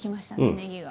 ねぎが。